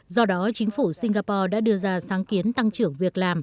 do đó chính phủ singapore đã đưa ra sáng kiến tăng trưởng của singapore